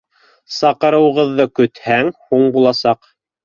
Саҡырыуығыҙҙы көтһәң, һуң буласаҡ.